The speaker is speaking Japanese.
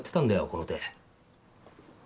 この手？